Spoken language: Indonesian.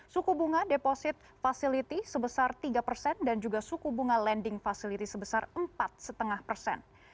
suku bunga deposit facility sebesar tiga persen dan juga suku bunga lending facility sebesar empat lima persen